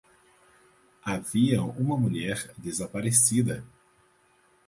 Havia uma mulher desaparecida!